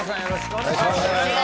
お願いします